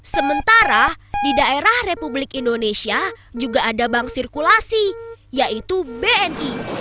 sementara di daerah republik indonesia juga ada bank sirkulasi yaitu bni